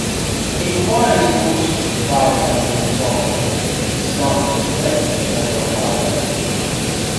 If the water is pushed rather than being absorbed, it's not split microfiber.